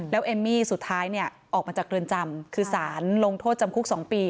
แล้วเอมมี่สุดท้ายเนี่ยออกมาจากเรือนจำคือสารลงโทษจำคุก๒ปี